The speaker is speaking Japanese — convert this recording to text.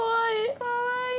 かわいい。